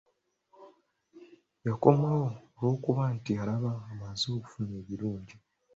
Yakomawo olw'okuba nti yalaba amaze okufuna ebirungi.